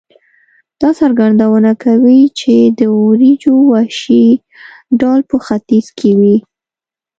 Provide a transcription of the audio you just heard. دا څرګندونه کوي چې د وریجو وحشي ډول په ختیځ کې وې.